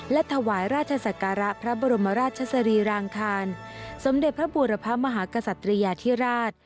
และถวายราชศักระพระบรมราชสรีรางคารสมเด็จพระบูรพมหากษัตริยาธิราช